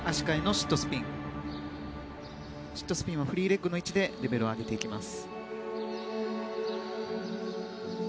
シットスピンはフリーレッグの位置でレベルを上げていきます。